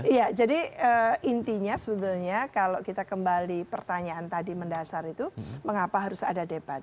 iya jadi intinya sebetulnya kalau kita kembali pertanyaan tadi mendasar itu mengapa harus ada debat